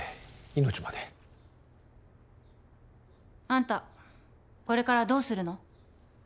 あんたこれからどうするの？